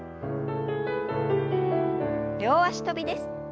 両脚跳びです。